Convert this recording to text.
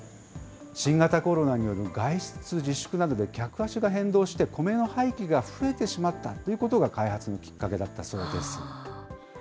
新型コロナによる外出自粛などで、客足が変動して、コメの廃棄が増えてしまったということが開発のきっかけだったそうです。